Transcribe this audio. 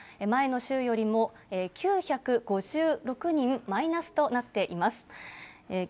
前の週よりも９５６人マイナスとなっています。